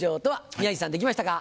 宮治さんできましたか？